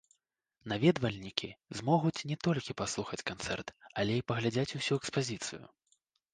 Наведвальнікі змогуць не толькі паслухаць канцэрт, але і паглядзець усю экспазіцыю.